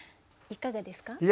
いかがですか？